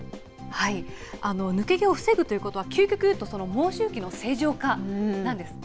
抜け毛を防ぐということは、究極いうと、毛周期の正常化なんです。